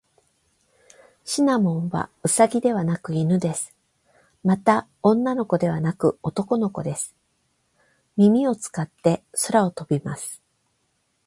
シナモンはウサギではなく犬です。また、女の子ではなく男の子です。耳を使って空を飛びます。